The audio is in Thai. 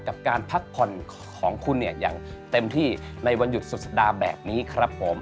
กับการพักผ่อนของคุณเนี่ยอย่างเต็มที่ในวันหยุดสุดสัปดาห์แบบนี้ครับผม